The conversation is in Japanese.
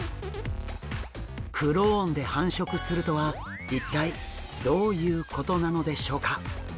クローンで繁殖するとは一体どういうことなのでしょうか？